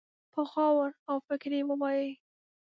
په غور او فکر يې ووايي.